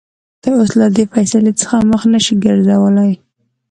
ته اوس له دې فېصلې څخه مخ نشې ګرځولى.